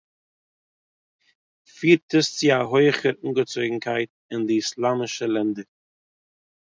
פירט עס צו אַ הויכער אָנגעצויגנקייט אין די איסלאַמישע לענדער